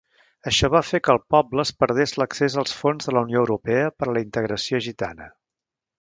Això va fer que el poble es perdés l'accés als fons de la Unió Europea per a la integració gitana.